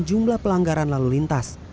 jumlah pelanggaran lalu lintas